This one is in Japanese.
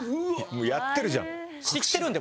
もうやってる人じゃん。